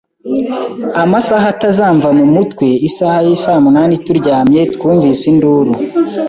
Amasaha atazamva mu mutwe isaha yisamunani turyamye twumvise induru